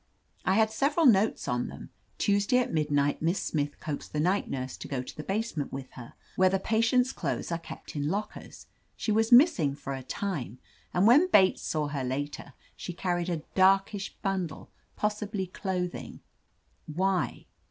I had several notes on them: Tuesday at midnight Miss Smith coaxed the night nurse to go to the base ment with her, where the patients' clothes are kept in lockers: she was missing for a time, and when Bates saw her later she carried a 'darkish bundle,' possibly clothing. .Why?"